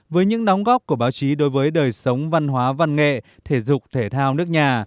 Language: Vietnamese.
với những đóng góp của báo chí đối với đời sống văn hóa văn nghệ thể dục thể thao nước nhà